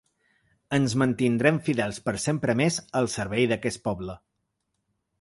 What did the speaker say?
Ens mantindrem fidels per sempre més al servei d’aquest poble.